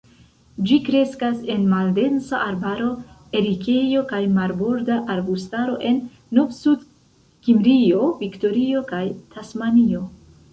Ĝi kreskas en maldensa arbaro, erikejo kaj marborda arbustaro en Novsudkimrio, Viktorio, kaj Tasmanio.